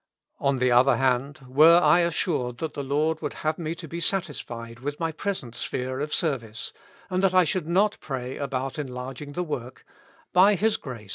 " Oa the other hand, were I assured that the I^ord would have me to be satisfied with my present sphere of service, and that I should not pray about enlarging the work, by His grace 267 Notes.